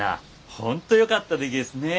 本当よかったでげすね！